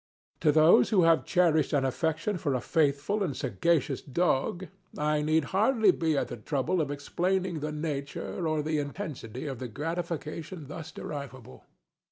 To those who have cherished an affection for a faithful and sagacious dog, I need hardly be at the trouble of explaining the nature or the intensity of the gratification thus derivable.